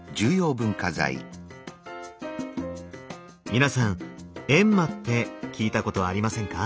皆さん閻魔って聞いたことありませんか？